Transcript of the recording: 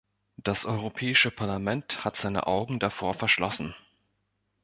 Das Europäische Parlament hat seine Augen davor verschlossen.